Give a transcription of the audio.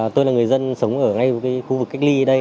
tôi là người dân sống ở ngay khu vực cách ly ở đây